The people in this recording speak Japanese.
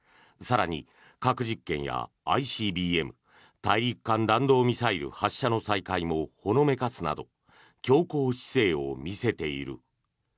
更に核実験やＩＣＢＭ・大陸間弾道ミサイル発射の再開もほのめかすなど強硬姿勢を見せている。